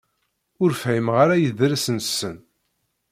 Ur fhimeɣ ara idles-nsen.